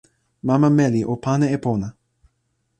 mama meli o pana e pona.